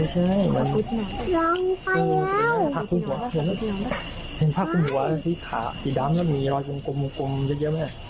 เห็นภาคขึ้นหัวสีขาสีดำแล้วมีรอยกลมกลมกลมเยอะเยอะไหมฮะ